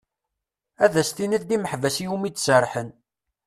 Ad as-tiniḍ d imeḥbas iwumi d-serḥen.